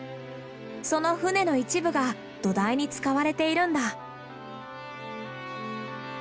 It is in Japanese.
その船の一部が土台に使われているんだ。